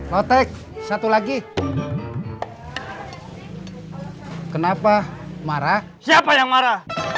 dompet imas sama copetnya gak usah dicari